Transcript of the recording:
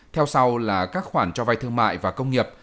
theo sau là các khoản cho vay thương mại và công nghiệp